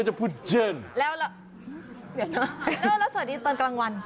ขอบคุณมากค่ะ